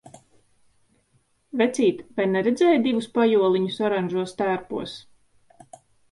Vecīt, vai neredzēji divus pajoliņus oranžos tērpos?